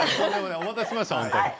お待たせしました。